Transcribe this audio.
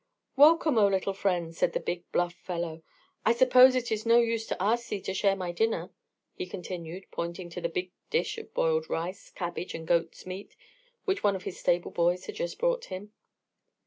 "Welcome, oh, little friends," said the big, bluff fellow. "I suppose it is no use to ask thee to share my dinner?" he continued, pointing to the big dish of boiled rice, cabbage, and goat's meat which one of his stable boys had just brought him.